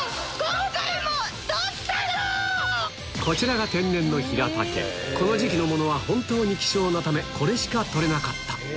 こちらが天然のこの時期のものは本当に希少なためこれしか採れなかった